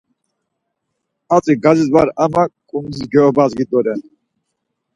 Hatzi gazis var ama ǩundis gyobzgu doren.